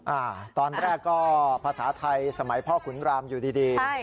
อ่าตอนแรกก็ภาษาไทยสมัยพ่อขุนรามอยู่ดี